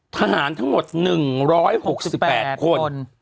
ทหารทั้งหมด๑๖๘คน